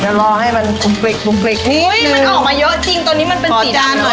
เดี๋ยวรอให้มันปรุงปลิกปรุงปลิกหุ้ยมันออกมาเยอะจริงตัวนี้มันเป็นสิบอันอะ